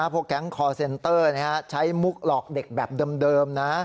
พวกแก๊งคอร์เซนเตอร์ใช้มุกหลอกเด็กแบบเดิมนะ